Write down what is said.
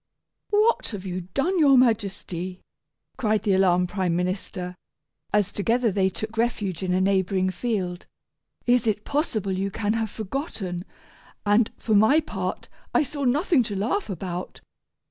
"What have you done, your Majesty?" cried the alarmed prime minister, now remembering himself, as together they took refuge in a neighboring field. "Is it possible you can have forgotten; and, for my part, I saw nothing to laugh about.